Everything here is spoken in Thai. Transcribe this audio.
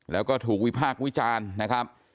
แล้วก็ถูกวิพากษ์วิจารณ์นะครับ